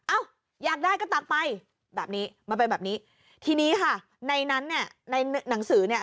อ่ะอยากได้ก็ตักไปแบบนี้มันเป็นแบบนี้ทีนี้ค่ะในนั้นเนี่ยในหนังสือเนี่ย